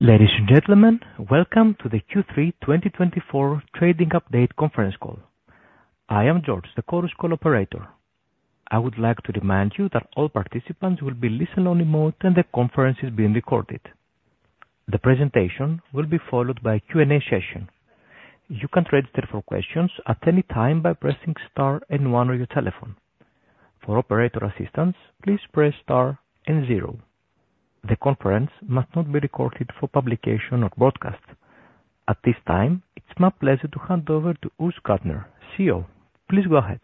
Ladies and gentlemen, welcome to the Q3 2024 Trading Update Conference Call. I am George, the Chorus Call operator. I would like to remind you that all participants will be listen-only mode and the conference is being recorded. The presentation will be followed by a Q&A session. You can register for questions at any time by pressing star and one on your telephone. For operator assistance, please press star and zero. The conference must not be recorded for publication or broadcast. At this time, it's my pleasure to hand over to Urs Gantner, CEO. Please go ahead.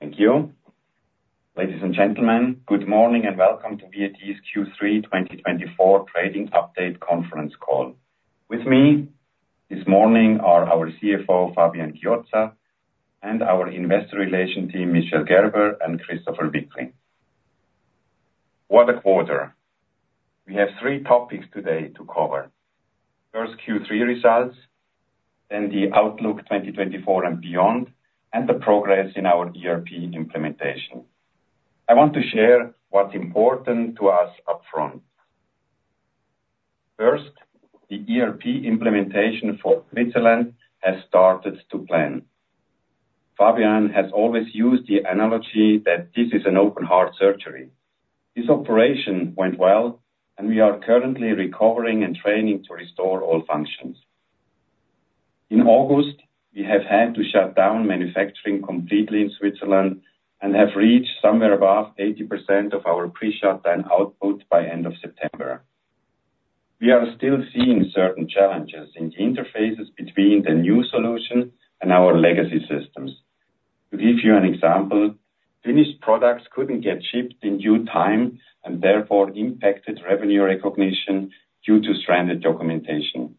Thank you. Ladies and gentlemen, good morning, and welcome to VAT's Q3 2024 Trading Update conference call. With me this morning are our CFO, Fabian Chiozza, and our investor relations team, Michel Gerber and Christopher Wickli. What a quarter! We have three topics today to cover. First, Q3 results, then the outlook twenty twenty-four and beyond, and the progress in our ERP implementation. I want to share what's important to us upfront. First, the ERP implementation for Switzerland has started on plan. Fabian has always used the analogy that this is an open heart surgery. This operation went well, and we are currently recovering and training to restore all functions. In August, we have had to shut down manufacturing completely in Switzerland and have reached somewhere above 80% of our pre-shutdown output by end of September. We are still seeing certain challenges in the interfaces between the new solution and our legacy systems. To give you an example, finished products couldn't get shipped in due time and therefore impacted revenue recognition due to stranded documentation.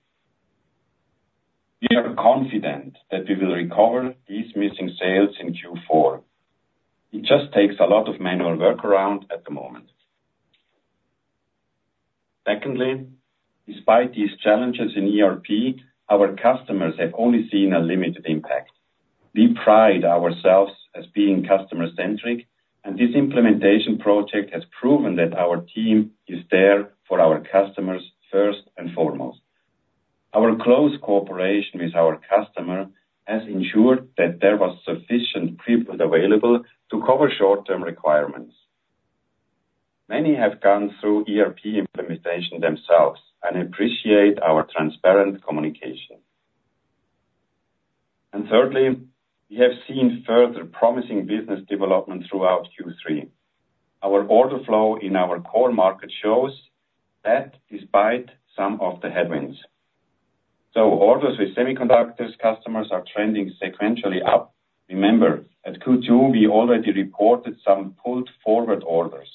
We are confident that we will recover these missing sales in Q4. It just takes a lot of manual workaround at the moment. Secondly, despite these challenges in ERP, our customers have only seen a limited impact. We pride ourselves as being customer-centric, and this implementation project has proven that our team is there for our customers first and foremost. Our close cooperation with our customer has ensured that there was sufficient pre-build available to cover short-term requirements. Many have gone through ERP implementation themselves and appreciate our transparent communication. And thirdly, we have seen further promising business development throughout Q3. Our order flow in our core market shows that despite some of the headwinds, so orders with Semiconductors, customers are trending sequentially up. Remember, at Q2, we already reported some pulled forward orders.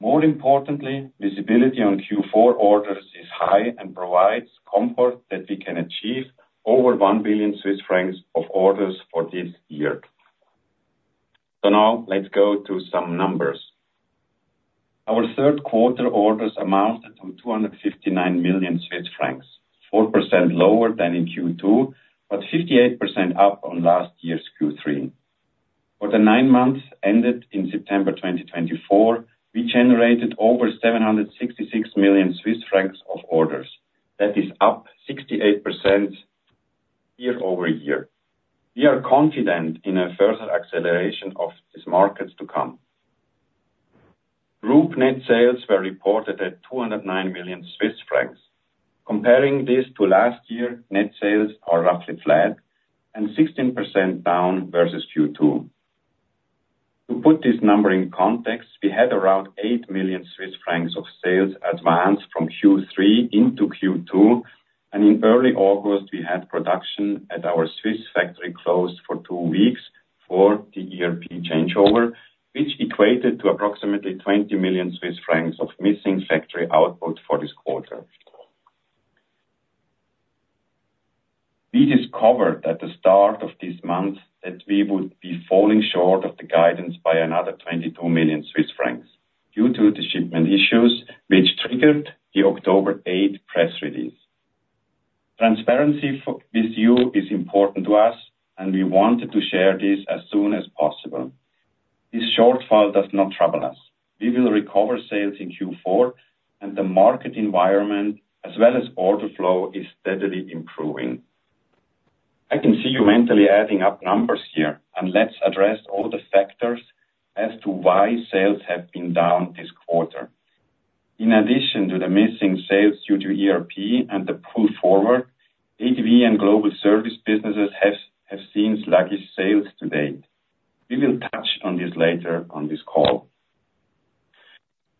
More importantly, visibility on Q4 orders is high and provides comfort that we can achieve over 1 billion Swiss francs of orders for this year. So now let's go to some numbers. Our third quarter orders amounted to 259 million Swiss francs, 4% lower than in Q2, but 58% up on last year's Q3. For the nine months ended in September 2024, we generated over 766 million Swiss francs of orders. That is up 68% year over year. We are confident in a further acceleration of these markets to come. Group net sales were reported at 209 million Swiss francs. Comparing this to last year, net sales are roughly flat and 16% down versus Q2. To put this number in context, we had around 8 million Swiss francs of sales advanced from Q3 into Q2, and in early August, we had production at our Swiss factory closed for two weeks for the ERP changeover, which equated to approximately 20 million Swiss francs of missing factory output for this quarter. We discovered at the start of this month that we would be falling short of the guidance by another 22 million Swiss francs due to the shipment issues, which triggered the October eighth press release. Transparency with you is important to us, and we wanted to share this as soon as possible. This shortfall does not trouble us. We will recover sales in Q4, and the market environment, as well as order flow, is steadily improving. I can see you mentally adding up numbers here, and let's address all the factors as to why sales have been down this quarter. In addition to the missing sales due to ERP and the pull forward, VAT and Global Service businesses have seen sluggish sales to date. We will touch on this later on this call.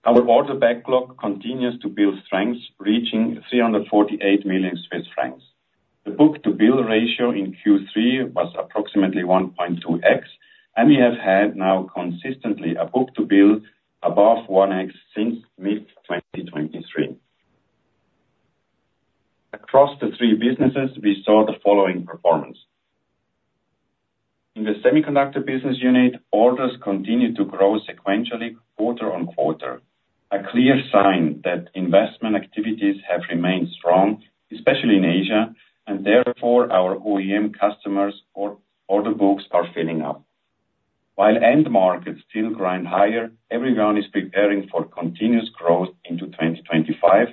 Our order backlog continues to build strength, reaching 348 million Swiss francs. The book-to-bill ratio in Q3 was approximately 1.2x, and we have had now consistently a book-to-bill above 1x since mid-2023. Across the three businesses, we saw the following performance. In the Semiconductor Business unit, orders continued to grow sequentially, quarter on quarter, a clear sign that investment activities have remained strong, especially in Asia, and therefore, our OEM customers' order books are filling up. While end markets still grind higher, everyone is preparing for continuous growth into 2025,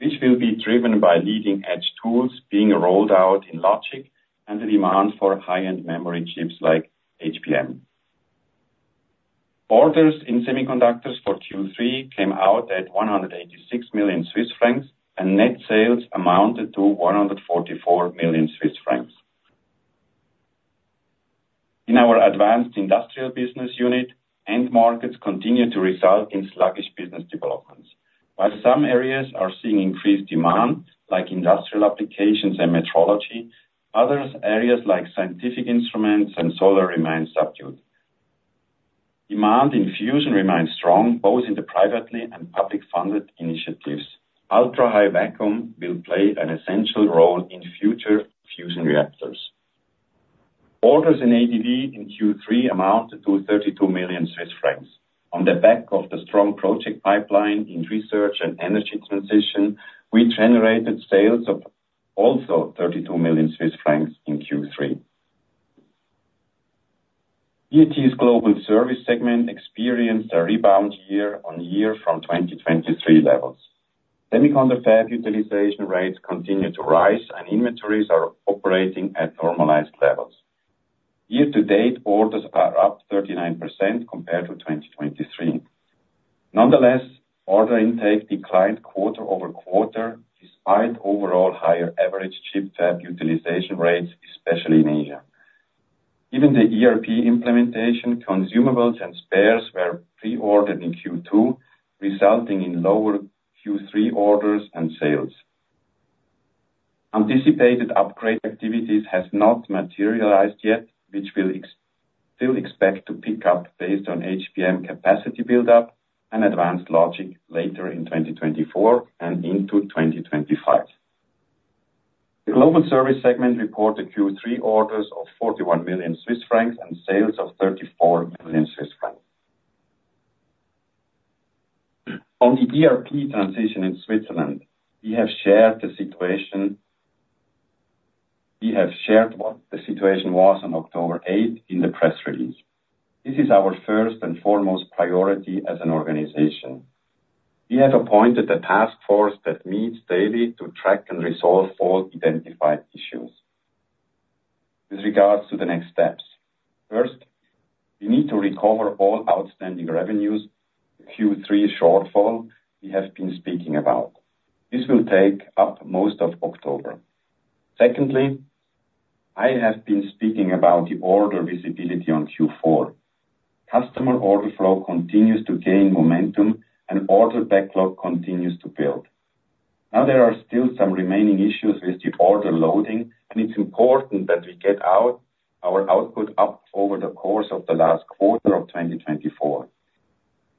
which will be driven by leading-edge tools being rolled out in logic and the demand for high-end memory chips like HBM. Orders in semiconductors for Q3 came out at 186 million Swiss francs, and net sales amounted to 144 million Swiss francs. In our Advanced Industrial business unit, end markets continue to result in sluggish business developments. While some areas are seeing increased demand, like industrial applications and metrology, other areas like scientific instruments and solar remain subdued. Demand in fusion remains strong, both in the privately and public-funded initiatives. Ultra-high vacuum will play an essential role in future fusion reactors. Orders in ADV in Q3 amounted to 32 million Swiss francs. On the back of the strong project pipeline in research and energy transition, we generated sales of 32 million Swiss francs in Q3. VAT's global service segment experienced a rebound year on year from 2023 levels. Semiconductor fab utilization rates continue to rise, and inventories are operating at normalized levels. Year to date, orders are up 39% compared to 2023. Nonetheless, order intake declined quarter over quarter, despite overall higher average chip fab utilization rates, especially in Asia. Given the ERP implementation, consumables and spares were pre-ordered in Q2, resulting in lower Q3 orders and sales. Anticipated upgrade activities has not materialized yet, which we'll still expect to pick up based on HBM capacity buildup and advanced logic later in 2024 and into 2025. The global service segment reported Q3 orders of 41 million Swiss francs and sales of 34 million Swiss francs. On the ERP transition in Switzerland, we have shared what the situation was on October eighth in the press release. This is our first and foremost priority as an organization. We have appointed a task force that meets daily to track and resolve all identified issues. With regards to the next steps, first, we need to recover all outstanding revenues, the Q3 shortfall we have been speaking about. This will take up most of October. Secondly, I have been speaking about the order visibility on Q4. Customer order flow continues to gain momentum, and order backlog continues to build. Now, there are still some remaining issues with the order loading, and it's important that we get our output up over the course of the last quarter of 2024.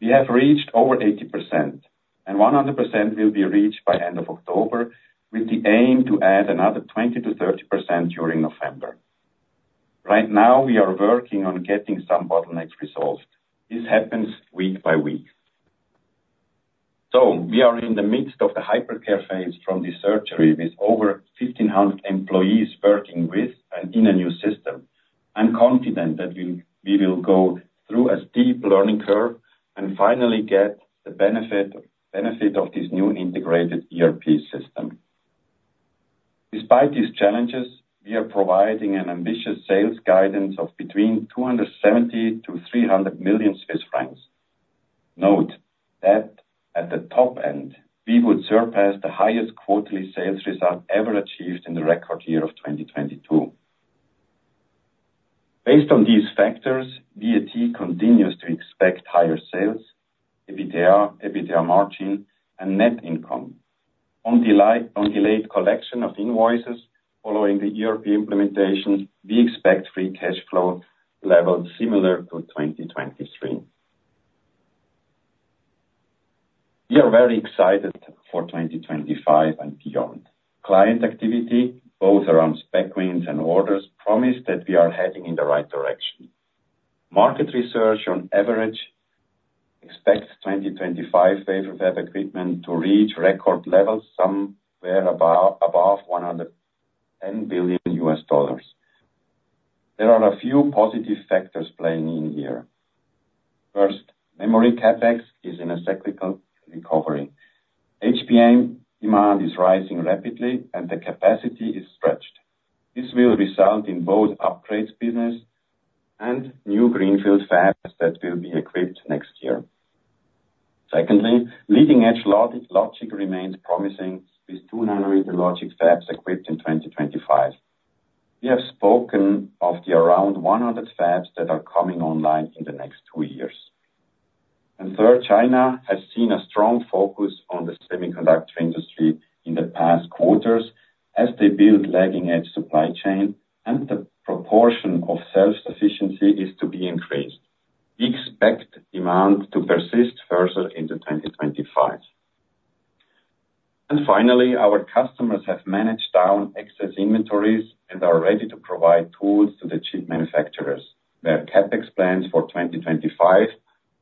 We have reached over 80%, and 100% will be reached by end of October, with the aim to add another 20-30% during November. Right now, we are working on getting some bottlenecks resolved. This happens week by week. We are in the midst of the hypercare phase from this surgery, with over 1,500 employees working with and in a new system. I'm confident that we will go through a steep learning curve and finally get the benefit of this new integrated ERP system. Despite these challenges, we are providing an ambitious sales guidance of between 270 and 300 million Swiss francs. Note that at the top end, we would surpass the highest quarterly sales result ever achieved in the record year of 2022. Based on these factors, VAT continues to expect higher sales, EBITDA, EBITDA margin, and net income. On delayed collection of invoices following the ERP implementation, we expect free cash flow levels similar to 2023. We are very excited for 2025 and beyond. Client activity, both around spec wins and orders, promise that we are heading in the right direction. Market research, on average, expects 2025 wafer fab equipment to reach record levels, somewhere above $110 billion. There are a few positive factors playing in here. First, memory CapEx is in a cyclical recovery. HBM demand is rising rapidly, and the capacity is stretched. This will result in both upgrades business and new greenfield fabs that will be equipped next year. Secondly, leading-edge logic, logic remains promising, with 2-nanometer logic fabs equipped in 2025. We have spoken of the around 100 fabs that are coming online in the next two years. And third, China has seen a strong focus on the semiconductor industry in the past quarters as they build lagging-edge supply chain, and the proportion of self-sufficiency is to be increased. We expect demand to persist further into 2025. And finally, our customers have managed down excess inventories and are ready to provide tools to the chip manufacturers. Their CapEx plans for 2025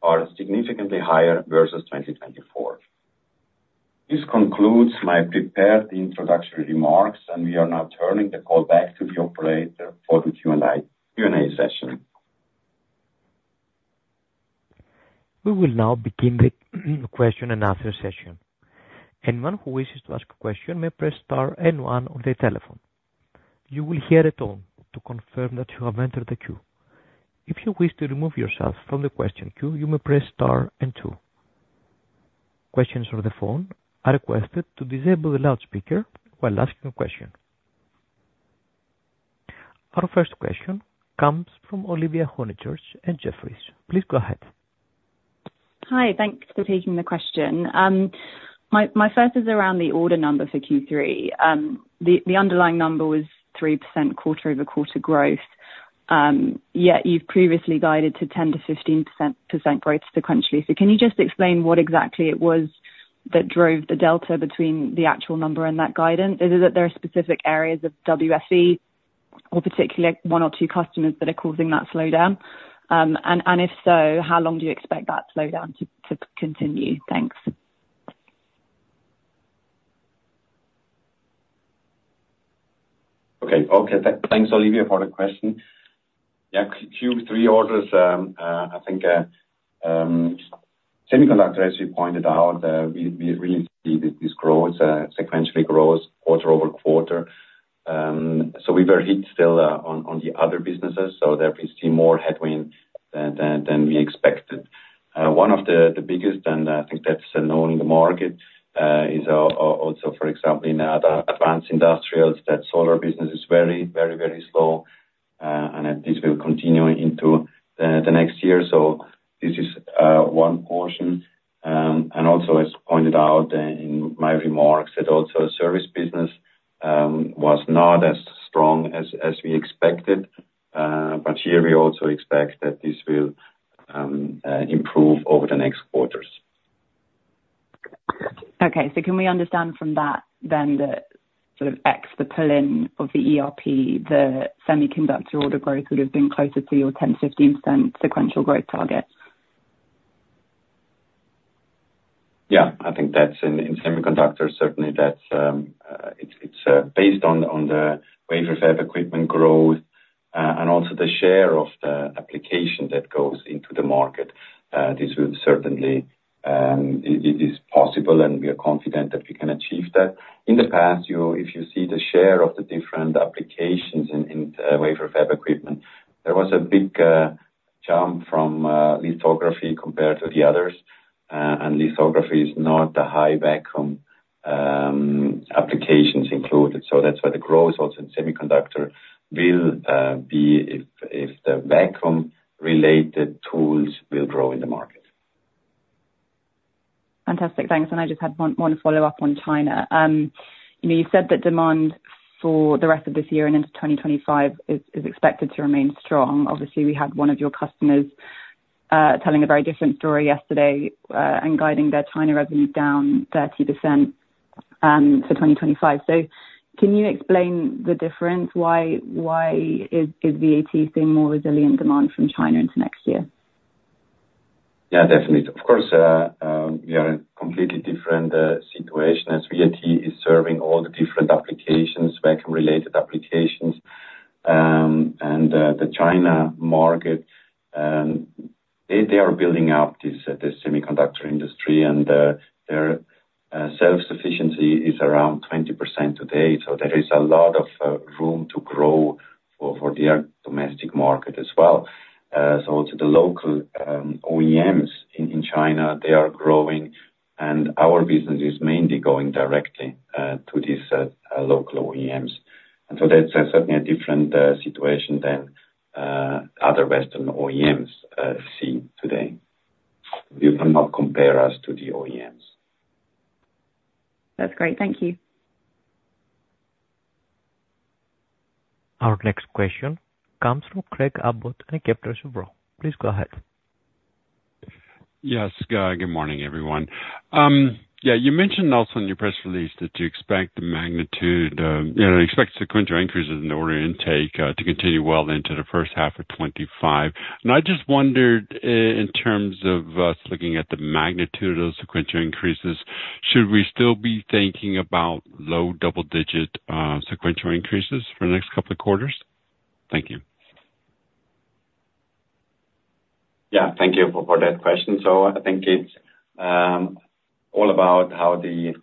are significantly higher versus 2024. This concludes my prepared introductory remarks, and we are now turning the call back to the operator for the Q&A session. We will now begin the question and answer session. Anyone who wishes to ask a question may press star and one on their telephone. You will hear a tone to confirm that you have entered the queue. If you wish to remove yourself from the question queue, you may press star and two. Questions over the phone are requested to disable the loudspeaker while asking a question. Our first question comes from Olivia Honychurch at Jefferies. Please go ahead. Hi, thanks for taking the question. My first is around the order number for Q3. The underlying number was 3% quarter over quarter growth, yet you've previously guided to 10%-15% growth sequentially. So can you just explain what exactly it was that drove the delta between the actual number and that guidance? Is it that there are specific areas of WFE or particular one or two customers that are causing that slowdown? And if so, how long do you expect that slowdown to continue? Thanks. Okay. Okay, thanks, Olivia, for the question. Yeah, Q3 orders, I think, semiconductor, as you pointed out, we really see this growth sequentially quarter over quarter. So we were hit still on the other businesses, so there we see more headwind than we expected. One of the biggest, and I think that's known in the market, is also, for example, in other Advanced Industrials, that solar business is very, very, very slow, and this will continue into the next year. So this is one portion. And also, as pointed out in my remarks, that also service business was not as strong as we expected, but here we also expect that this will improve over the next quarters. Okay. So can we understand from that then that sort of ex, the pull-in of the ERP, the semiconductor order growth would have been closer to your 10%-15% sequential growth target? Yeah, I think that's in semiconductors, certainly that's, it's based on the wafer fab equipment growth, and also the share of the application that goes into the market. This will certainly, it is possible, and we are confident that we can achieve that. In the past, you know, if you see the share of the different applications in wafer fab equipment, there was a big jump from lithography compared to the others, and lithography is not a high vacuum applications included, so that's why the growth also in semiconductor will be if the vacuum-related tools will grow in the market. Fantastic. Thanks. And I just had one follow-up on China. You know, you said that demand for the rest of this year and into twenty twenty-five is expected to remain strong. Obviously, we had one of your customers telling a very different story yesterday and guiding their China revenue down 30% for twenty twenty-five. So can you explain the difference? Why is VAT seeing more resilient demand from China into next year? Yeah, definitely. Of course, we are in a completely different situation as VAT is serving all the different applications, vacuum-related applications. And the China market, they are building out this, the semiconductor industry, and their self-sufficiency is around 20% today. So there is a lot of room to grow for their domestic market as well. So also the local OEMs in China, they are growing, and our business is mainly going directly to these local OEMs. And so that's certainly a different situation than other western OEMs see today. You cannot compare us to the OEMs. That's great. Thank you. Our next question comes from Craig Abbott at Kepler Cheuvreux. Please go ahead. Yes. Good morning, everyone. Yeah, you mentioned also in your press release that you expect the magnitude, you know, expect sequential increases in order intake, to continue well into the first half of twenty-five. And I just wondered in terms of us looking at the magnitude of those sequential increases, should we still be thinking about low double digit, sequential increases for the next couple of quarters? Thank you. Yeah, thank you for that question. So I think it's all about how the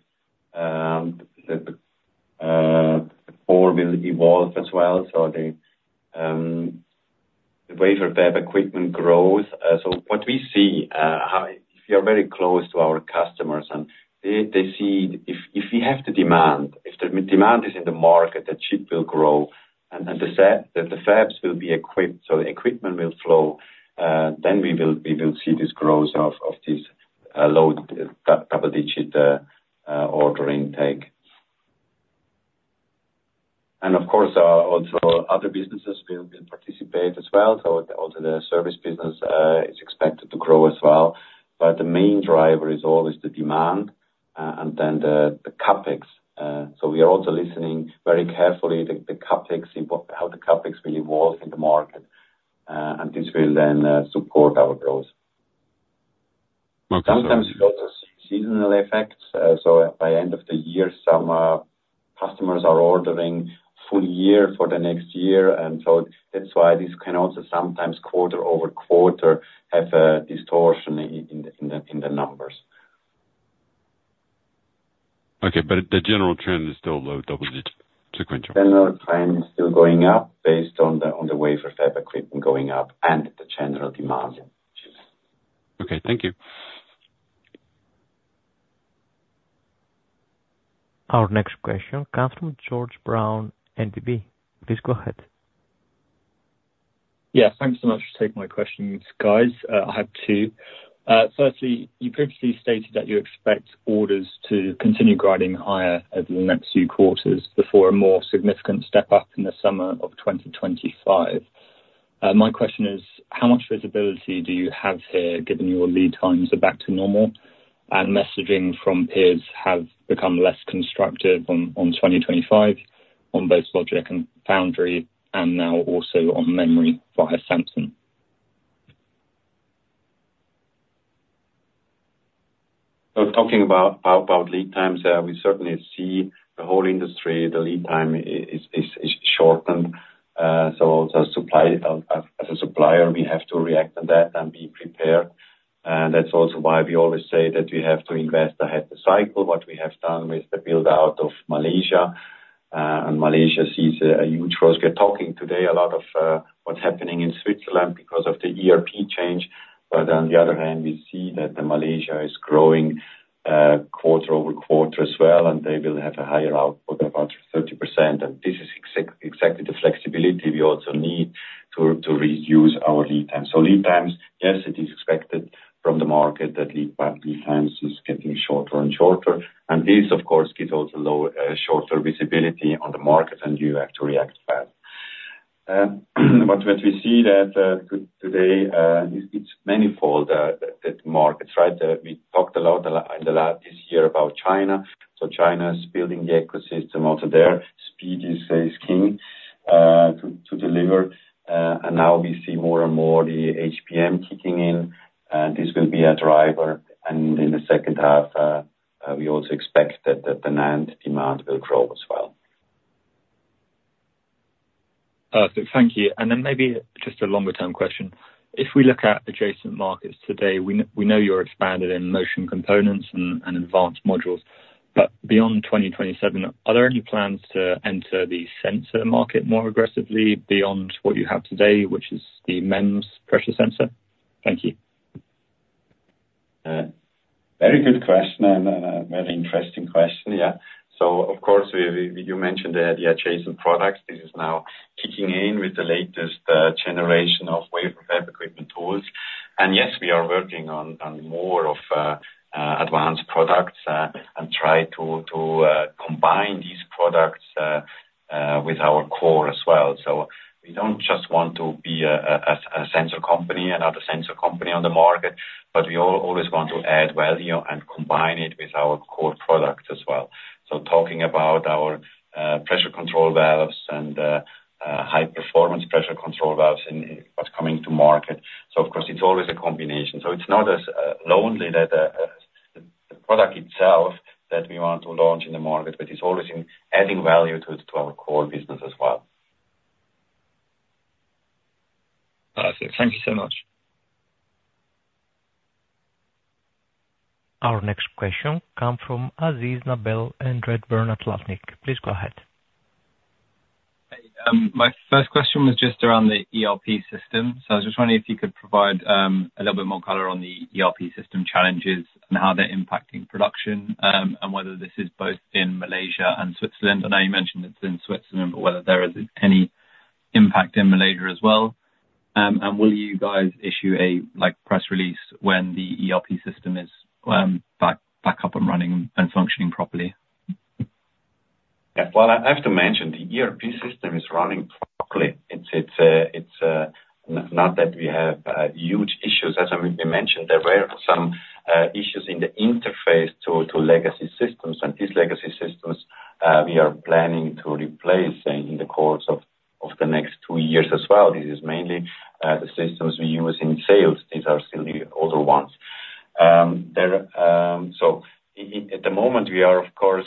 flow will evolve as well, so the wafer fab equipment grows. So what we see. We are very close to our customers, and they see if we have the demand, if the demand is in the market, the chip will grow, and the fab, the fabs will be equipped, so the equipment will flow, then we will see this growth of this low double-digit order intake. And of course, also other businesses will participate as well. So also the service business is expected to grow as well, but the main driver is always the demand, and then the CapEx. So we are also listening very carefully to the CapEx and how the CapEx will evolve in the market, and this will then support our growth. Okay, so sometimes you also see seasonal effects, so by end of the year, some customers are ordering full year for the next year, and so that's why this can also sometimes quarter over quarter have a distortion in the numbers. Okay, but the general trend is still low double digit sequential? General trend is still going up, based on the wafer fab equipment going up and the general demand, which is okay, thank you. Our next question comes from George Brown, Deutsche Bank. Please go ahead. Yes, thanks so much for taking my questions, guys. I have two. Firstly, you previously stated that you expect orders to continue growing higher over the next few quarters before a more significant step up in the summer of twenty twenty-five. My question is: How much visibility do you have here, given your lead times are back to normal, and messaging from peers have become less constructive on twenty twenty-five on both logic and foundry, and now also on memory via Samsung? So talking about lead times, we certainly see the whole industry, the lead time is shortened. So the supply, as a supplier, we have to react on that and be prepared, and that's also why we always say that we have to invest ahead the cycle. What we have done with the build-out of Malaysia, and Malaysia sees a huge growth. We're talking today a lot of, what's happening in Switzerland because of the ERP change. But on the other hand, we see that Malaysia is growing, quarter over quarter as well, and they will have a higher output of about 30%, and this is exactly the flexibility we also need to reduce our lead time. So lead times, yes, it is expected from the market that lead time, lead times is getting shorter and shorter. And this, of course, gives also low, shorter visibility on the market, and you have to react fast. But what we see that, today, it's, it's manifold, that market, right? We talked a lot this year about China. So China is building the ecosystem also there. Speed is king to deliver, and now we see more and more the HBM kicking in, and this will be a driver. And in the second half, we also expect that the NAND demand will grow as well. So thank you. And then maybe just a longer-term question. If we look at adjacent markets today, we know you're expanded in motion components and advanced modules, but beyond 2027, are there any plans to enter the sensor market more aggressively beyond what you have today, which is the MEMS pressure sensor? Thank you. Very good question, and very interesting question. Yeah. So of course, you mentioned the adjacent products. This is now kicking in with the latest generation of wafer fab equipment tools. And yes, we are working on more of advanced products and try to combine these products with our core as well. So we don't just want to be a sensor company, another sensor company on the market, but we always want to add value and combine it with our core product as well. So talking about our pressure control valves and high performance pressure control valves and what's coming to market, so of course, it's always a combination. So it's not solely that, the product itself that we want to launch in the market, but it's always in adding value to our core business as well. So thank you so much. Our next question comes from Nabil Ahmed, Barclays. Please go ahead. Hey, my first question was just around the ERP system. So I was just wondering if you could provide a little bit more color on the ERP system challenges and how they're impacting production, and whether this is both in Malaysia and Switzerland. I know you mentioned it's in Switzerland, but whether there is any impact in Malaysia as well, and will you guys issue a, like, press release when the ERP system is back up and running and functioning properly? Yeah. Well, I have to mention, the ERP system is running properly. It's not that we have huge issues. As I mentioned, there were some issues in the interface to legacy systems, and these legacy systems we are planning to replace in the course of the next two years as well. This is mainly the systems we use in sales. These are still the older ones. So at the moment, of course,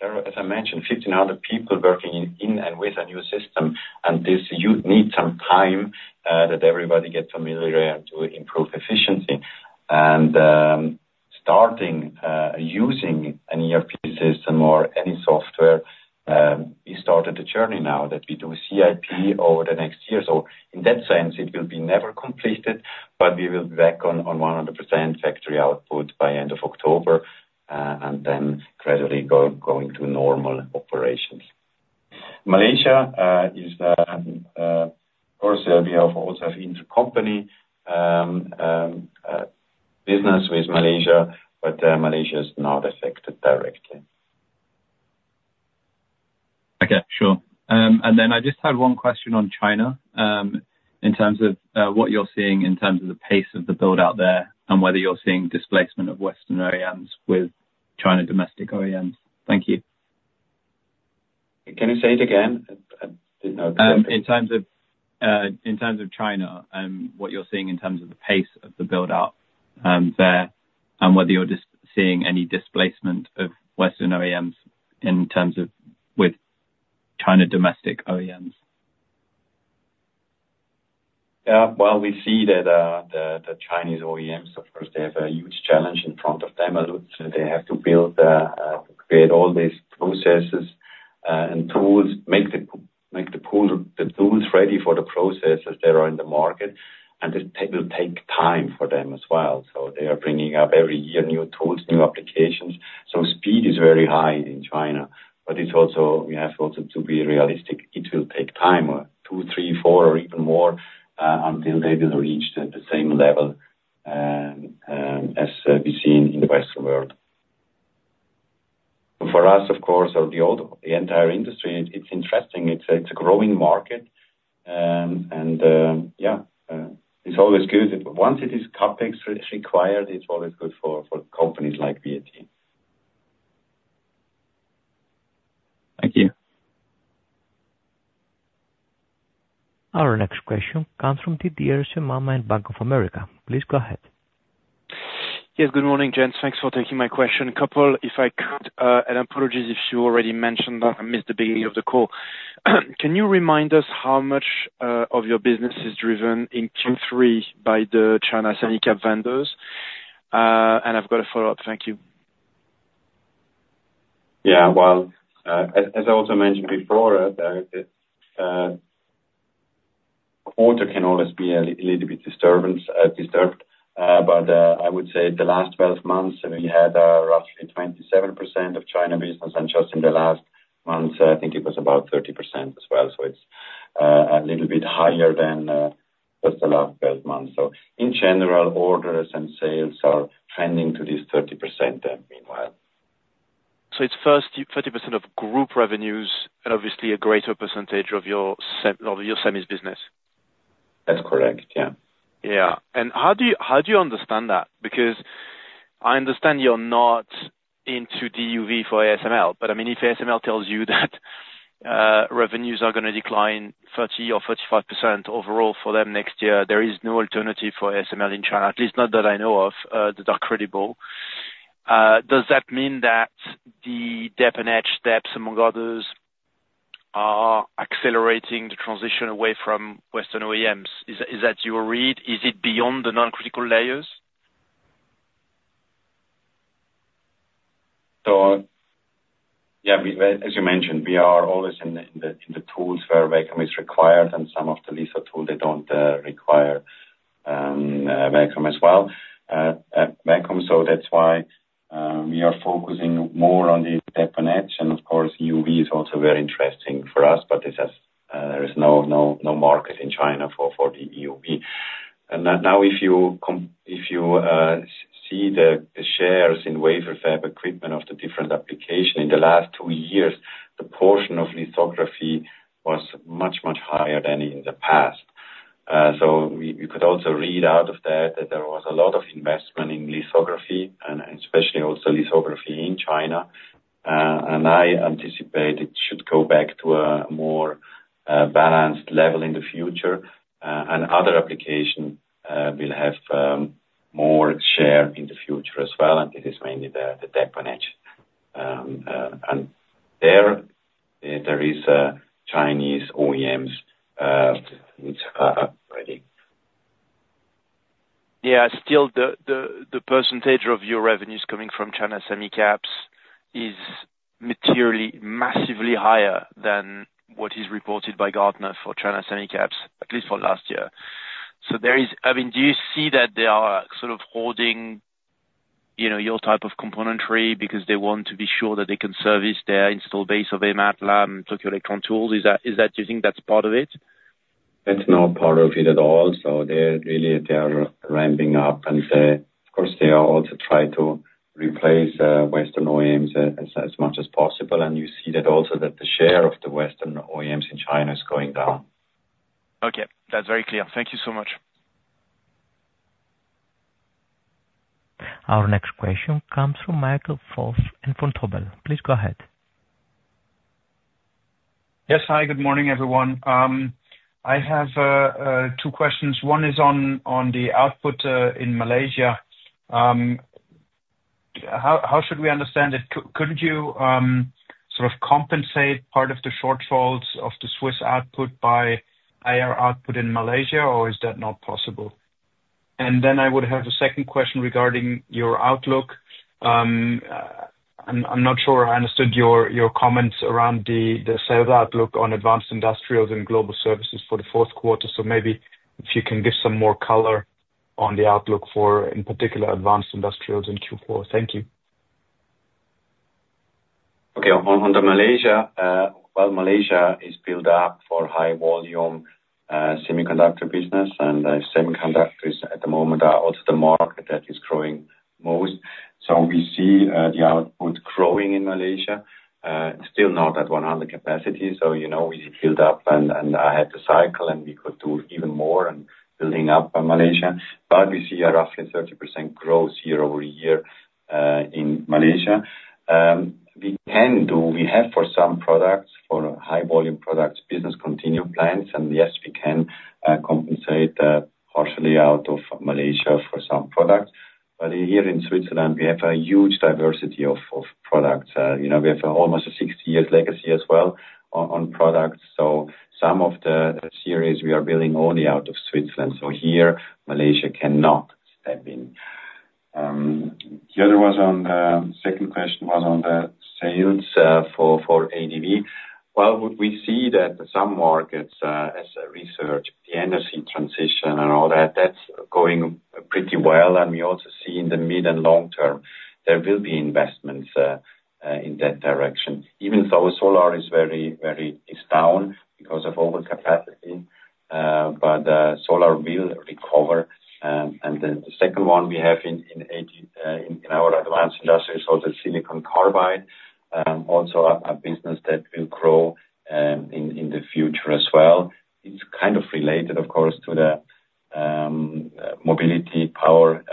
there are, as I mentioned, 1,500 people working in and with a new system. And this, you need some time that everybody gets familiar to improve efficiency. And starting using an ERP system or any software, we started a journey now that we do CIP over the next year. So in that sense, it will be never completed, but we will be back on 100% factory output by end of October, and then gradually going to normal operations. Malaysia is, of course, we have also intercompany business with Malaysia, but Malaysia is not affected directly. ... Okay, sure, and then I just had one question on China, in terms of what you're seeing in terms of the pace of the build-out there, and whether you're seeing displacement of Western OEMs with China domestic OEMs. Thank you. Can you say it again? I didn't know- In terms of China and what you're seeing in terms of the pace of the build-out there, and whether you're seeing any displacement of Western OEMs in terms of with Chinese domestic OEMs. Well, we see that the Chinese OEMs, of course, they have a huge challenge in front of them, so they have to build, create all these processes and tools, make the pool the tools ready for the processes that are in the market, and it will take time for them as well. So they are bringing up every year new tools, new applications, so speed is very high in China, but it's also, we have also to be realistic. It will take time, two, three, four or even more, until they will reach the same level as we see in the Western world. But for us, of course, or the entire industry, it's interesting. It's a growing market, and yeah, it's always good. Once it is in the installed base, it's always good for companies like VAT. Thank you. Our next question comes from Didier Scemama in Bank of America. Please go ahead. Yes, good morning, gents. Thanks for taking my question. A couple, if I could, and apologies if you already mentioned, and I missed the beginning of the call. Can you remind us how much of your business is driven in Q3 by the China semi cap vendors? And I've got a follow-up. Thank you. Yeah, well, as I also mentioned before, that order can always be a little bit disturbed. But I would say the last 12 months, we had roughly 27% of China business, and just in the last month, I think it was about 30% as well. So it's a little bit higher than just the last 12 months. So in general, orders and sales are trending to this 30%, meanwhile. So it's first 30% of group revenues and obviously a greater percentage of your semi, of your semis business? That's correct. Yeah. Yeah. And how do you, how do you understand that? Because I understand you're not into DUV for ASML, but I mean, if ASML tells you that, revenues are gonna decline 30% or 35% overall for them next year, there is no alternative for ASML in China, at least not that I know of, that are credible. Does that mean that the deposition and etch steps, among others, are accelerating the transition away from Western OEMs? Is that, is that your read? Is it beyond the non-critical layers? So, yeah, we, as you mentioned, we are always in the tools where vacuum is required, and some of the laser tool, they don't require vacuum as well. So that's why we are focusing more on the deposition and etch, and of course, EUV is also very interesting for us, but there is no market in China for the EUV. And now if you see the shares in wafer fab equipment of the different applications, in the last two years, the portion of lithography was much higher than in the past. So we could also read out of that, that there was a lot of investment in lithography and especially also lithography in China. And I anticipate it should go back to a more balanced level in the future, and other application will have more share in the future as well, and it is mainly the deposition and etch. And there is a Chinese OEMs which are up already. Yeah, still the percentage of your revenues coming from China semi caps is materially, massively higher than what is reported by Gartner for China semi caps, at least for last year. So there is... I mean, do you see that they are sort of holding, you know, your type of componentry, because they want to be sure that they can service their installed base of AMAT, Lam, Tokyo Electron tools? Is that you think that's part of it? That's not part of it at all. So they're really, they are ramping up, and, of course, they are also trying to replace Western OEMs as much as possible, and you see that also the share of the Western OEMs in China is going down. Okay, that's very clear. Thank you so much. Our next question comes from Michael Foeth from Vontobel. Please go ahead. Yes. Hi, good morning, everyone. I have two questions. One is on the output in Malaysia. How should we understand it? Couldn't you sort of compensate part of the shortfalls of the Swiss output by higher output in Malaysia, or is that not possible? And then I would have a second question regarding your outlook. I'm not sure I understood your comments around the sales outlook on Advanced Industrials and Global Services for the fourth quarter. So maybe if you can give some more color on the outlook for, in particular, Advanced Industrials in Q4. Thank you. Okay. On the Malaysia, well, Malaysia is built up for high volume semiconductor business, and semiconductors at the moment are also the market that is growing most. So we see the output growing in Malaysia, still not at 100 capacity, so you know, we filled up, and I had to cycle, and we could do even more and building up on Malaysia. But we see a roughly 30% growth year over year in Malaysia. We can do, we have for some products, for high volume products, business continuity plans, and yes, we can compensate partially out of Malaysia for some products. But here in Switzerland, we have a huge diversity of products. You know, we have almost a 60 years legacy as well on products, so some of the series we are building only out of Switzerland, so here Malaysia cannot step in. The other was on second question was on the sales for ADV. Well, we see that some markets, as a research, the energy transition and all that, that's going pretty well. And we also see in the mid and long term, there will be investments in that direction. Even though solar is very, very it's down because of overcapacity, but solar will recover. And then the second one we have in our advanced industry is also silicon carbide, also a business that will grow in the future as well. It's kind of related, of course, to the mobility, power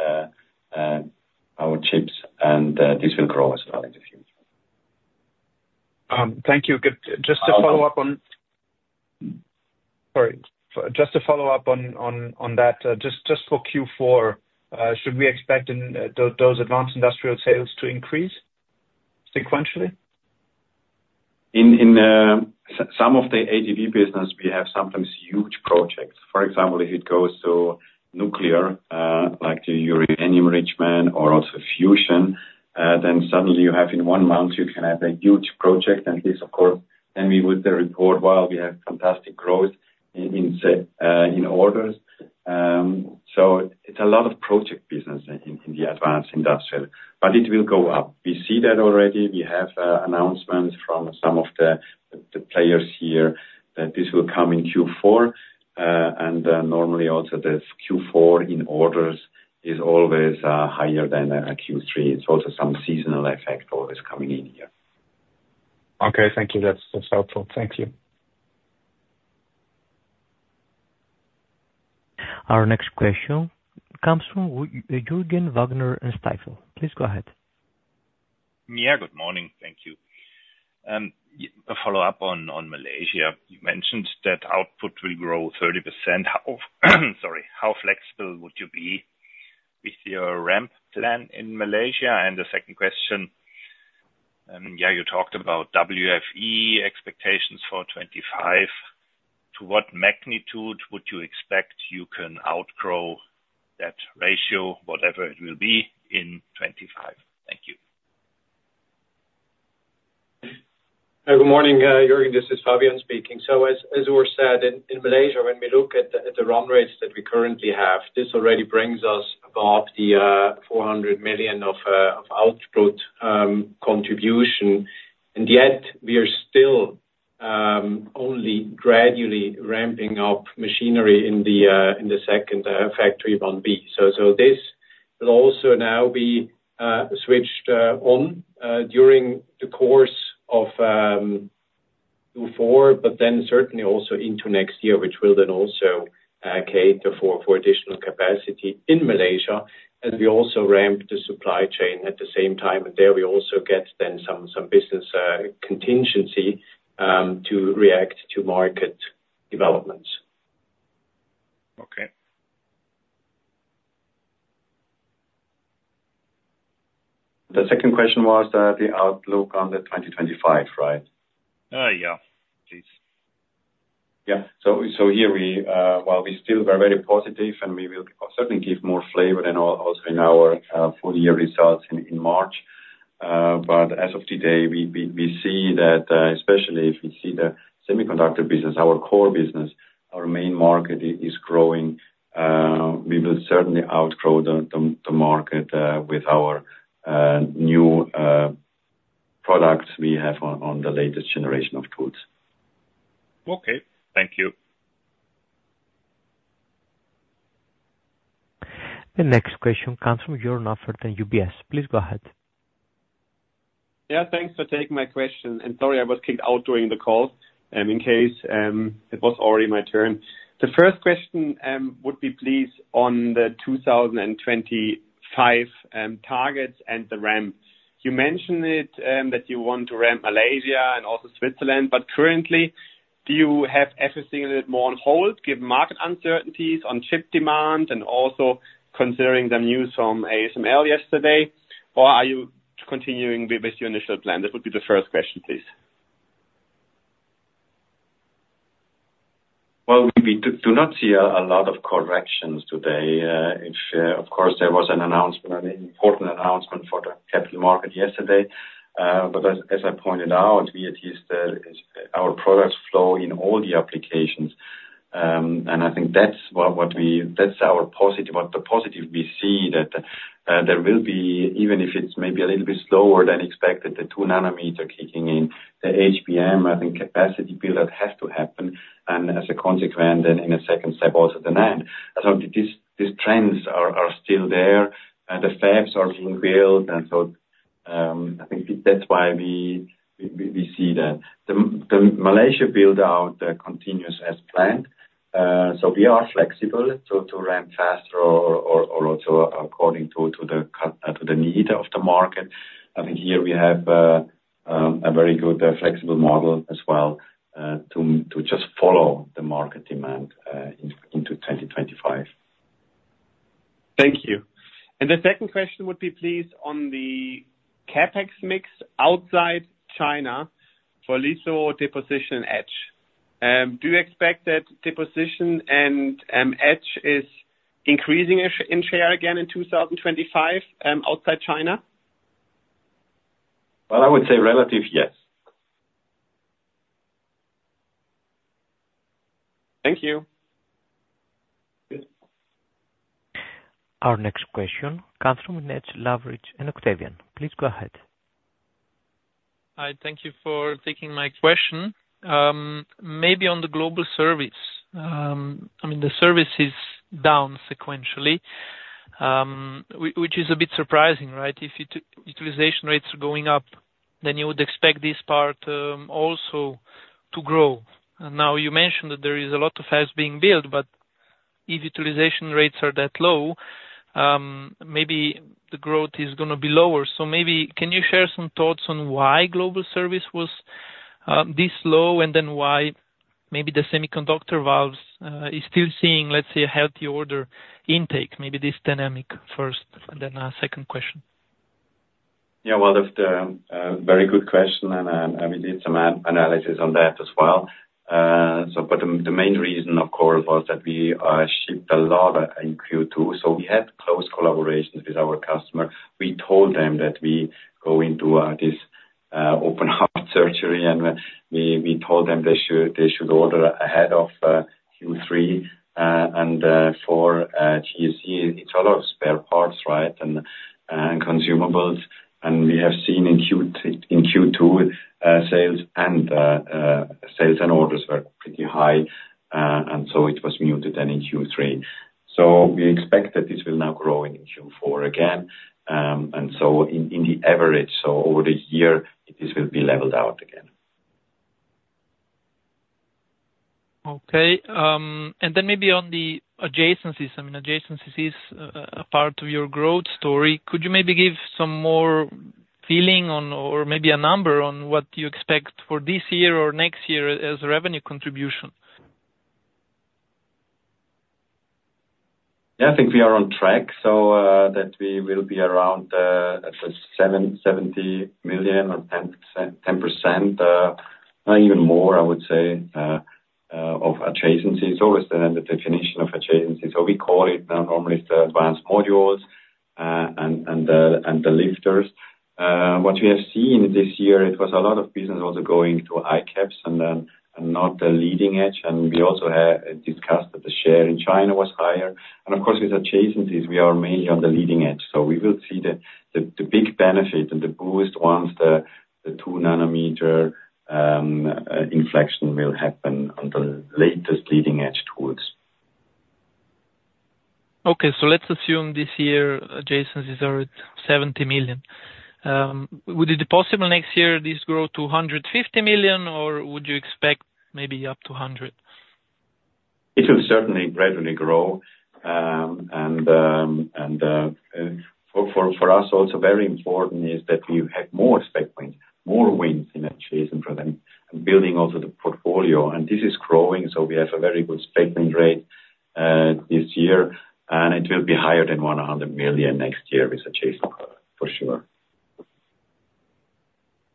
chips, and this will grow as well in the future. Thank you. Just to follow up on that, just for Q4, should we expect those Advanced Industrial sales to increase sequentially? In some of the ADV business, we have sometimes huge projects. For example, if it goes to nuclear, like the uranium enrichment or also fusion, then suddenly you have in one month you can have a huge project and this, of course, and we would report while we have fantastic growth in orders, so it's a lot of project business in the Advanced Industrial, but it will go up. We see that already. We have announcements from some of the players here that this will come in Q4, and normally also this Q4 in orders is always higher than Q3. It's also some seasonal effect always coming in here. Okay, thank you. That's, that's helpful. Thank you. Our next question comes from Jürgen Wagner in Stifel. Please go ahead. Yeah, good morning. Thank you. A follow-up on Malaysia. You mentioned that output will grow 30%. How, sorry, how flexible would you be with your ramp plan in Malaysia? And the second question, yeah, you talked about WFE expectations for 2025. To what magnitude would you expect you can outgrow that ratio, whatever it will be, in 2025? Thank you. Good morning, Jürgen, this is Fabian speaking. As Urs said, in Malaysia, when we look at the run rates that we currently have, this already brings us above the 400 million of output contribution. And yet we are still only gradually ramping up machinery in the second factory, Building B. So this will also now be switched on during the course of Q4, but then certainly also into next year, which will then also cater for additional capacity in Malaysia, as we also ramp the supply chain at the same time. And there, we also get then some business contingency to react to market developments. Okay. The second question was the outlook on 2025, right? Yeah, please. Yeah, so here we while we still are very positive, and we will certainly give more flavor also in our full year results in March. But as of today, we see that, especially if we see the semiconductor business, our core business, our main market is growing, we will certainly outgrow the market with our new products we have on the latest generation of goods. Okay. Thank you. The next question comes from Joern Iffert and UBS. Please go ahead. Yeah, thanks for taking my question. And sorry, I was kicked out during the call, in case it was already my turn. The first question would be please, on the 2025 targets and the ramp. You mentioned it that you want to ramp Malaysia and also Switzerland, but currently, do you have everything a little more on hold, given market uncertainties on chip demand and also considering the news from ASML yesterday? Or are you continuing with your initial plan? That would be the first question, please. Well, we do not see a lot of corrections today. If, of course, there was an announcement, an important announcement for the capital market yesterday. But as I pointed out, we at least is our products flow in all the applications. And I think that's what we - that's our positive - what the positive we see, that there will be, even if it's maybe a little bit slower than expected, the two nanometer kicking in. The HBM, I think capacity build-out has to happen, and as a consequence, then in a second step, also demand. So these trends are still there, and the fabs are being built, and so, I think that's why we see that. The Malaysia build-out continues as planned. So we are flexible to ramp faster or also according to the need of the market. I think here we have a very good flexible model as well to just follow the market demand into twenty twenty-five. Thank you, and the second question would be please on the CapEx mix outside China for litho deposition etch. Do you expect that deposition and etch is increasing in share again in two thousand twenty-five, outside China? Well, I would say relative, yes. Thank you. Good. Our next question comes from Nedialko Nedialkov in Octavian. Please go ahead. Hi, thank you for taking my question. Maybe on the global service, I mean, the service is down sequentially, which is a bit surprising, right? If utilization rates are going up, then you would expect this part also to grow. And now, you mentioned that there is a lot of fabs being built, but if utilization rates are that low, maybe the growth is gonna be lower. So maybe can you share some thoughts on why global service was this low, and then why maybe the semiconductor valves is still seeing, let's say, a healthy order intake? Maybe this dynamic first, and then a second question. Yeah, well, that's a very good question, and I mean, did some analysis on that as well. So but the main reason, of course, was that we shipped a lot in Q2, so we had close collaborations with our customer. We told them that we go into this open heart surgery, and we told them they should order ahead of Q3. And for Global Service, it's a lot of spare parts, right, and consumables. And we have seen in Q2 sales and orders were pretty high, and so it was muted then in Q3. So we expect that this will now grow in Q4 again. And so in the average, so over the year, this will be leveled out again. Okay, and then maybe on the adjacencies. I mean, adjacencies is a part of your growth story. Could you maybe give some more feeling on, or maybe a number on what you expect for this year or next year as revenue contribution? Yeah, I think we are on track, so, that we will be around, at the 770 million or 10%, even more, I would say, of adjacencies, always the definition of adjacencies. So we call it, normally it's the advanced modules, and the lifters. What we have seen this year, it was a lot of business also going to ICAPS and not the leading edge. And we also have discussed that the share in China was higher. And of course, with adjacencies, we are mainly on the leading edge. So we will see the big benefit and the biggest ones, the two-nanometer inflection will happen on the latest leading edge towards. Okay, so let's assume this year, adjacencies are at 70 million. Would it be possible next year this grow to 150 million, or would you expect maybe up to 100? It will certainly gradually grow, and for us also very important is that we have more spec wins, more wins in adjacent product, and building also the portfolio, and this is growing, so we have a very good statement rate this year, and it will be higher than 100 million next year with adjacent, for sure.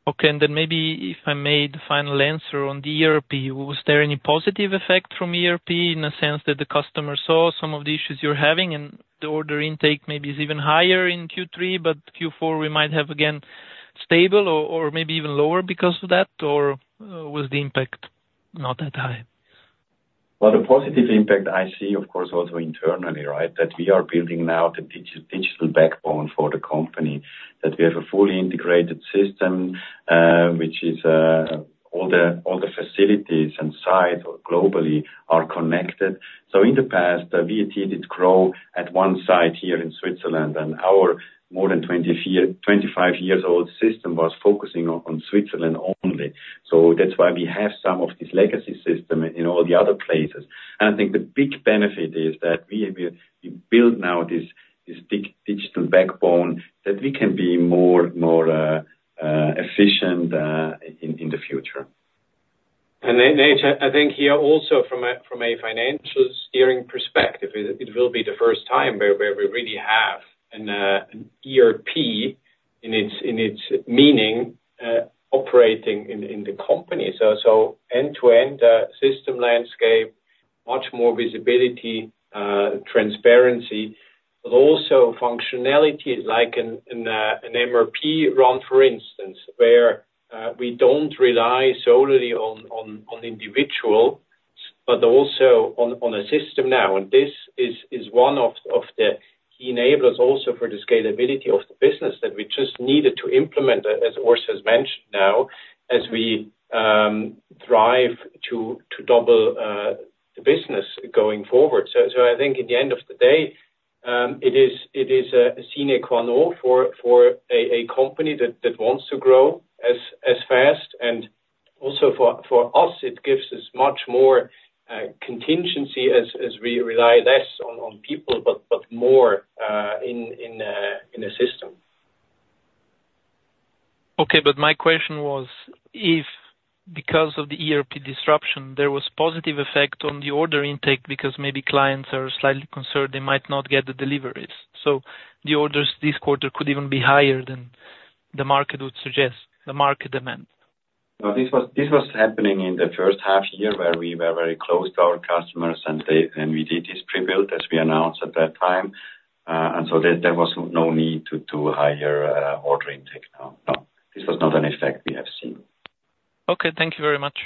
Okay, and then maybe if I made the final answer on the ERP, was there any positive effect from ERP in the sense that the customer saw some of the issues you're having, and the order intake maybe is even higher in Q3, but Q4 we might have again stable or, or maybe even lower because of that? Or, was the impact not that high? The positive impact I see, of course, also internally, right? That we are building now the digital backbone for the company. That we have a fully integrated system, which is all the facilities and sites globally are connected. So in the past, we did grow at one site here in Switzerland, and our more than 25-year-old system was focusing on Switzerland only. So that's why we have some of this legacy system in all the other places. And I think the big benefit is that we build now this digital backbone, that we can be more efficient in the future. And then, Nate, I think here also from a financial steering perspective, it will be the first time where we really have an ERP in its meaning operating in the company. So end-to-end system landscape, much more visibility, transparency, but also functionality like in an MRP run, for instance, where we don't rely solely on individual, but also on a system now. And this is one of the enablers also for the scalability of the business that we just needed to implement, as Urs has mentioned.... as we drive to double the business going forward. So I think at the end of the day, it is a sine qua non for a company that wants to grow as fast, and also for us, it gives us much more contingency as we rely less on people, but more in the system. Okay, but my question was, if because of the ERP disruption, there was positive effect on the order intake, because maybe clients are slightly concerned they might not get the deliveries? So the orders this quarter could even be higher than the market would suggest, the market demand. No, this was, this was happening in the first half year, where we were very close to our customers, and they, and we did this pre-built, as we announced at that time, and so there, there was no need to do higher order intake. No, no, this was not an effect we have seen. Okay, thank you very much.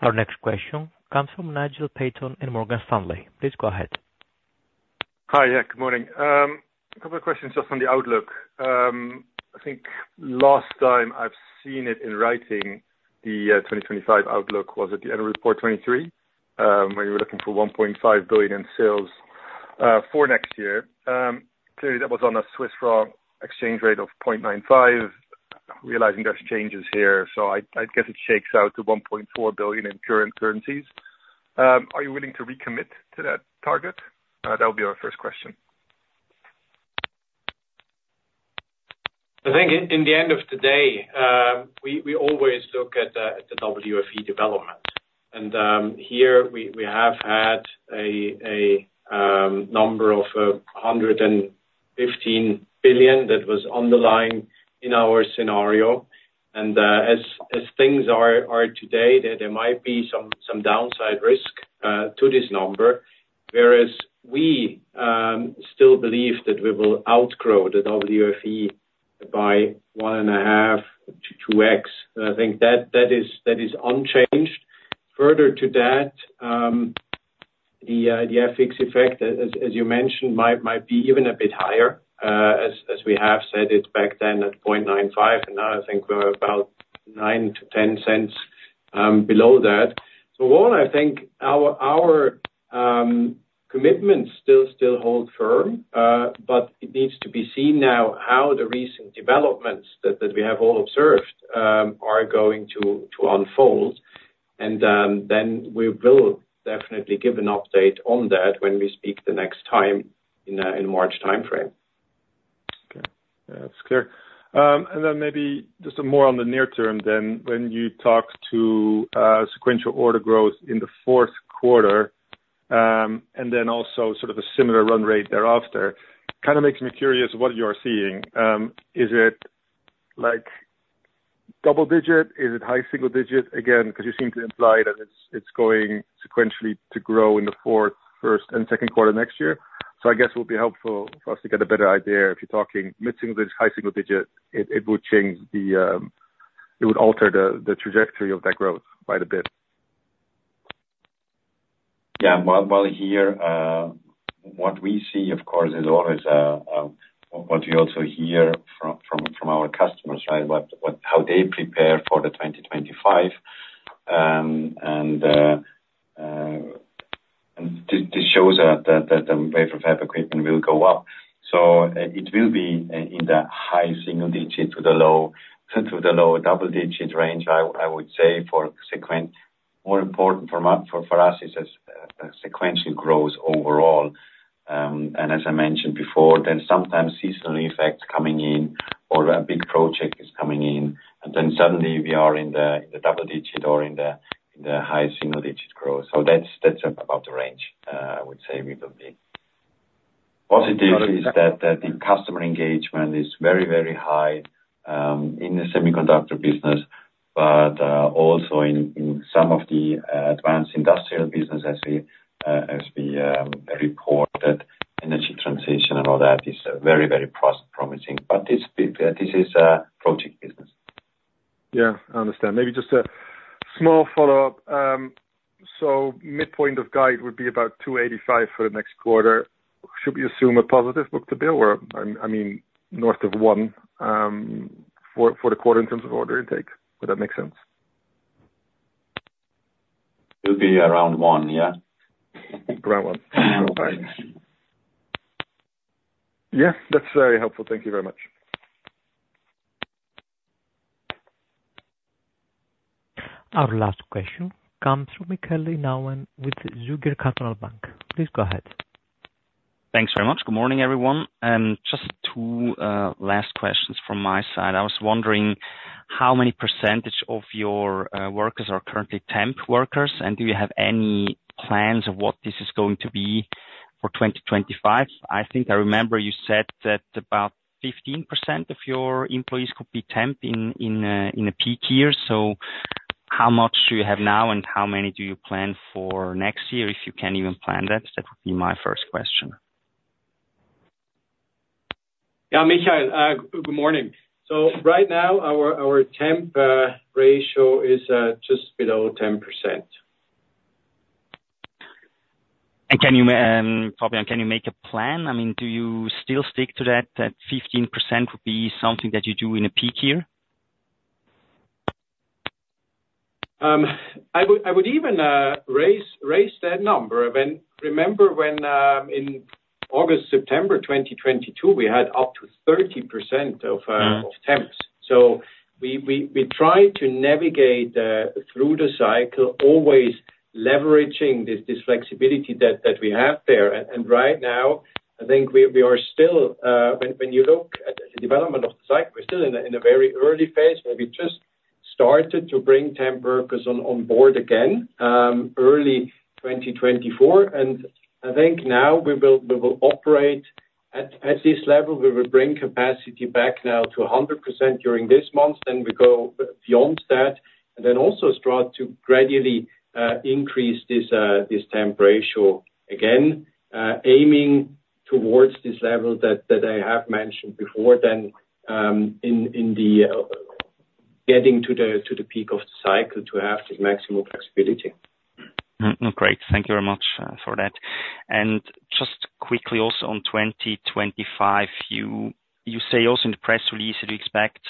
Our next question comes from Nigel van Putten in Morgan Stanley. Please go ahead. Hi, yeah, good morning. A couple of questions just on the outlook. I think last time I've seen it in writing, the 2025 outlook was at the end of report 2023, where you were looking for 1.5 billion in sales for next year. Clearly, that was on a Swiss franc exchange rate of 0.95. Realizing there's changes here, so I guess it shakes out to 1.4 billion in current currencies. Are you willing to recommit to that target? That would be our first question. I think in the end of the day, we always look at the WFE development. And here, we have had a number of 115 billion that was underlying in our scenario. And as things are today, there might be some downside risk to this number. Whereas we still believe that we will outgrow the WFE by one and a half to two X. I think that is unchanged. Further to that, the FX effect, as you mentioned, might be even a bit higher, as we have said it back then, at 0.95, and now I think we're about 9-10 cents below that. So all in all, I think our commitments still hold firm, but it needs to be seen now how the recent developments that we have all observed are going to unfold, and then we will definitely give an update on that when we speak the next time in March timeframe. Okay. That's clear, and then maybe just more on the near term then, when you talk to sequential order growth in the fourth quarter, and then also sort of a similar run rate thereafter, kind of makes me curious what you are seeing. Is it like double digit? Is it high single digit? Again, because you seem to imply that it's going sequentially to grow in the fourth, first, and second quarter next year. So I guess it would be helpful for us to get a better idea if you're talking mid single digit, high single digit, it would change the, it would alter the trajectory of that growth quite a bit. Yeah. Well, here, what we see, of course, is always what we also hear from our customers, right? What, what-- how they prepare for 2025. And this shows that the wafer fab equipment will go up. So it will be in the high single digit to the low double-digit range, I would say, for sequential. More important for us is the sequential growth overall. And as I mentioned before, then sometimes seasonal effects coming in or a big project is coming in, and then suddenly we are in the double digit or in the high single digit growth. So that's about the range, I would say we will be. Positives is that the customer engagement is very, very high in the semiconductor business, but also in some of the Advanced Industrial business as we report, that energy transition and all that is very, very promising. But this is a project business. Yeah, I understand. Maybe just a small follow-up. So midpoint of guide would be about 285 for the next quarter. Should we assume a positive book-to-bill or, I mean, north of one, for the quarter in terms of order intake? Would that make sense? It will be around one, yeah. Around one. Okay. Yeah, that's very helpful. Thank you very much. Our last question comes from Michael Inauen with Zürcher Kantonalbank. Please go ahead. Thanks very much. Good morning, everyone, and just two last questions from my side. I was wondering how many percentage of your workers are currently temp workers, and do you have any plans of what this is going to be for 2025? I think I remember you said that about 15% of your employees could be temp in a peak year. So how much do you have now, and how many do you plan for next year, if you can even plan that? That would be my first question. Yeah, Michael, good morning. So right now, our temp ratio is just below 10%.... can you, Fabian, make a plan? I mean, do you still stick to that 15% would be something that you do in a peak year? I would even raise that number. When, remember when, in August, September twenty twenty-two, we had up to 30% of temps. So we try to navigate through the cycle, always leveraging this flexibility that we have there. And right now, I think we are still, when you look at the development of the cycle, we're still in a very early phase where we just started to bring temp workers on board again, early twenty twenty-four. And I think now we will operate at this level. We will bring capacity back now to 100% during this month, then we go beyond that, and then also start to gradually increase this temp ratio again, aiming towards this level that I have mentioned before then, in getting to the peak of the cycle to have the maximum flexibility. Great. Thank you very much for that. And just quickly also on 2025, you say also in the press release that you expect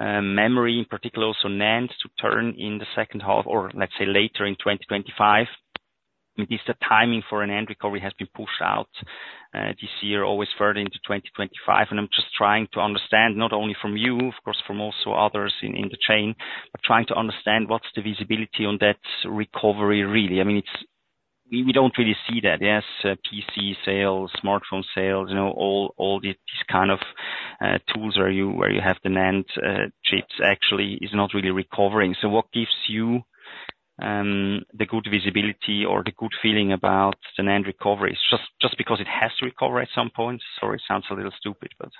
memory, in particular also NAND, to turn in the second half or let's say later in 2025. Is the timing for NAND recovery has been pushed out this year, always further into 2025, and I'm just trying to understand, not only from you, of course, from also others in the chain, but trying to understand what's the visibility on that recovery, really? I mean, it's... We don't really see that. Yes, PC sales, smartphone sales, you know, all these kind of tools where you have the NAND chips actually is not really recovering. So what gives you the good visibility or the good feeling about the NAND recovery? Just because it has to recover at some point? Sorry, it sounds a little stupid, but.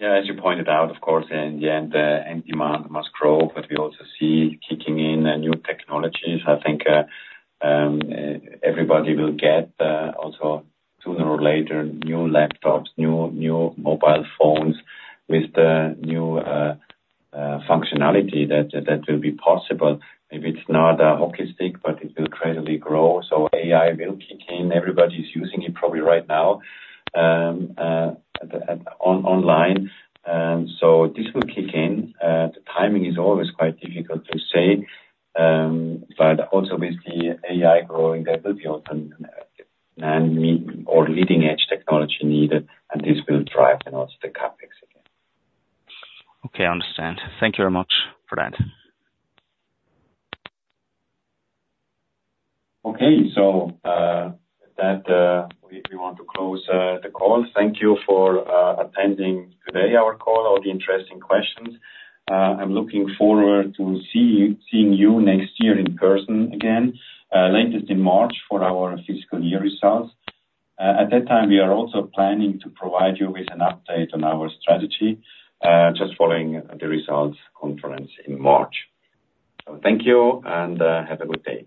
Yeah, as you pointed out, of course, in the end, the end demand must grow, but we also see kicking in, new technologies. I think, everybody will get, also sooner or later, new laptops, new, new mobile phones with the new, functionality that, that will be possible. Maybe it's not a hockey stick, but it will greatly grow, so AI will kick in. Everybody's using it probably right now, online, and so this will kick in. The timing is always quite difficult to say, but also with the AI growing, there will be often NAND memory or leading-edge technology needed, and this will drive then also the CapEx again. Okay, I understand. Thank you very much for that. Okay. So, with that, we want to close the call. Thank you for attending today our call all the interesting questions. I'm looking forward to seeing you next year in person again, latest in March for our fiscal year results. At that time, we are also planning to provide you with an update on our strategy, just following the results conference in March. So thank you, and have a good day.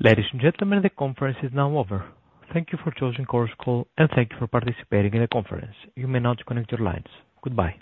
Ladies and gentlemen, the conference is now over. Thank you for choosing Chorus Call, and thank you for participating in the conference. You may now disconnect your lines. Goodbye.